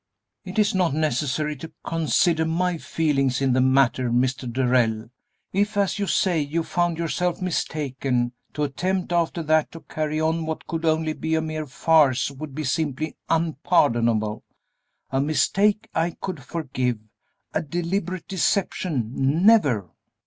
"It is not necessary to consider my feelings in the matter, Mr. Darrell. If, as you say, you found yourself mistaken, to attempt after that to carry on what could only be a mere farce would be simply unpardonable. A mistake I could forgive; a deliberate deception, never!"